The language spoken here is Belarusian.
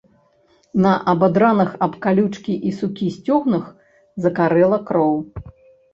На абадраных аб калючкі і сукі сцёгнах закарэла кроў.